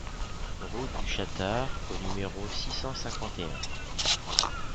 Route du Chatar au numéro six cent cinquante et un